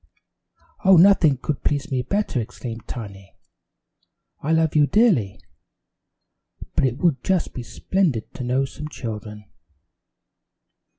"Oh, nothing could please me better!" exclaimed Tiny. "I love you dearly, but it would just be splendid to know some children."